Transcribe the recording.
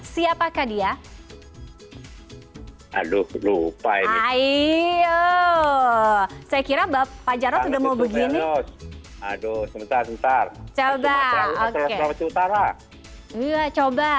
seribu sembilan ratus enam puluh empat enam puluh lima siapakah dia itu hai aiguu saya kira hoof laps pak jaros gymnop ontang ad boxer utara coba